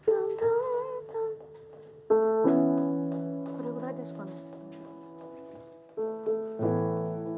これぐらいですかね。